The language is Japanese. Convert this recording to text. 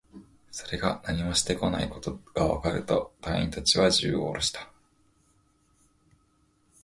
それが何もしてこないことがわかると、隊員達は銃をおろした